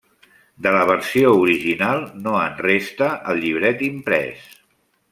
De la versió original no en resta el llibret imprès.